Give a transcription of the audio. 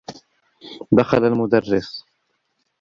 دخل المدرّس.